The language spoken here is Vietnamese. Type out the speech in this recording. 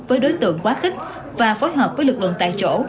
với đối tượng quá khích và phối hợp với lực lượng tại chỗ